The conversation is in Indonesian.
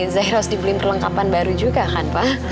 zaira harus dibeli perlengkapan baru juga kan pa